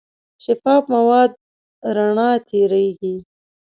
شفاف مواد رڼا تېرېږي.